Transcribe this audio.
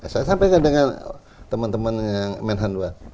saya sampaikan dengan teman teman yang menhanwa